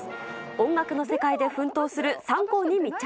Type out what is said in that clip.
音楽の世界で奮闘する３校に密着。